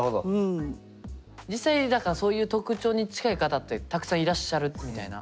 実際だからそういう特徴に近い方ってたくさんいらっしゃるみたいな。